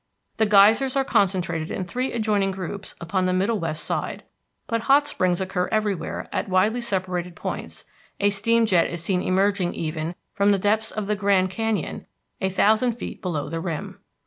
The geysers are concentrated in three adjoining groups upon the middle west side. But hot springs occur everywhere at widely separated points; a steam jet is seen emerging even from the depths of the Grand Canyon a thousand feet below the rim.